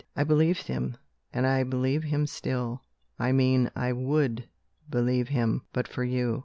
I believed him and I believe him still I mean I would believe him, but for you.